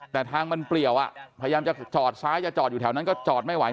แต่ทางมันเปลี่ยวอ่ะพยายามจะจอดซ้ายจะจอดอยู่แถวนั้นก็จอดไม่ไหว